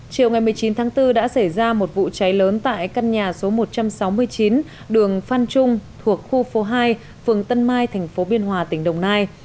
chiều ngày một mươi chín tháng bốn đã xảy ra một vụ cháy lớn tại căn nhà số một trăm sáu mươi chín đường phan trung thuộc khu phố hai phường tân mai thành phố biên hòa tỉnh đồng nai